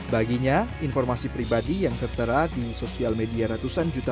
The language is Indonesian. baginya informasi pribadi yang tertera di facebook